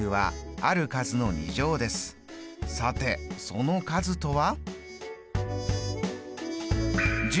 さてその数とは？